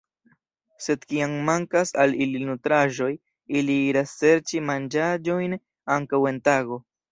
Sed kiam mankas al ili nutraĵoj, ili iras serĉi manĝaĵojn ankaŭ en tago.